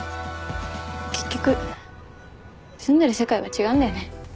結局住んでる世界が違うんだよね。